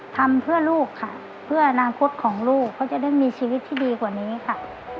ทำเพื่อลูกค่ะเพื่ออนาคตของลูกเขาจะได้มีชีวิตที่ดีกว่านี้ค่ะ